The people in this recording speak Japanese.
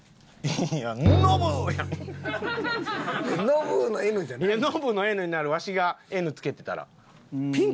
ノブの「Ｎ」になるわしが「Ｎ」着けてたら。